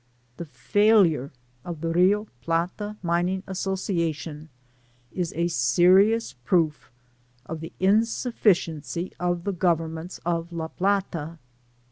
The failure of the Rio Plata Mining Association is a serious proof of the insufiidency of the Go vernments of La Plata.